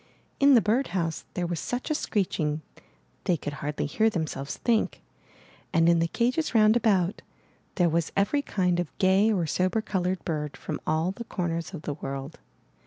In the birdhouse there was such a screeching they could hardly hear themselves think, and in the cages round about, there was every kind of gay or sober colored bird from all the corners of the world.